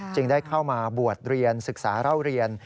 จึงได้เข้ามาบวชเรียนศึกษาเล่าเรียน